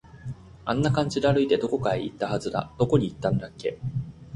あんな感じで歩いて、どこかに行ったはずだ。どこに行ったんだっけ